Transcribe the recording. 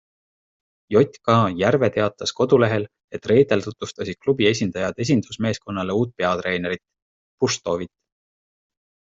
JK Järve teatas kodulehel, et reedel tutvustasid klubi esindajad esindusmeeskonnale uut peatreenerit - Puštovit.